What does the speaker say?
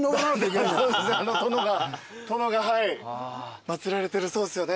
殿が祭られてるそうですよね。